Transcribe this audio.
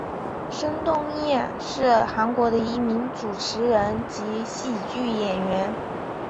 申东烨是韩国的一名主持人及喜剧演员。